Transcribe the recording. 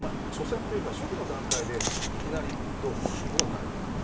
初期の段階でいきなりどうこうというのはないと思います。